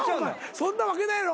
そんなわけないやろ。